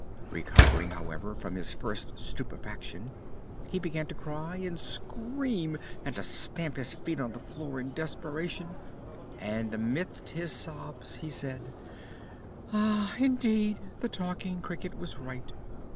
Recovering, however, from his first stupefaction, he began to cry and scream, and to stamp his feet on the floor in desperation, and amidst his sobs he said: "Ah, indeed, the Talking Cricket was right.